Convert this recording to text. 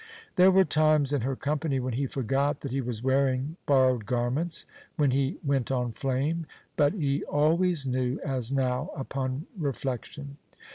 There were times in her company when he forgot that he was wearing borrowed garments, when he went on flame, but he always knew, as now, upon reflection.